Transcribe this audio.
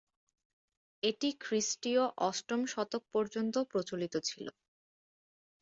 এটি খ্রিস্টীয় অষ্টম শতক পর্যন্ত প্রচলিত ছিল।